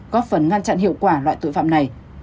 góp phần ngăn chặn hiệu quả loại tội phạm này